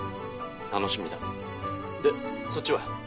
楽しみだでそっちは？